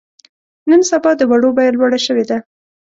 نن سبا د وړو بيه لوړه شوې ده.